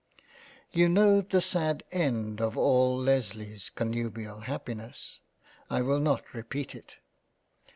You know the sad end of all Lesleys connubial happiness ; I will not repeat it —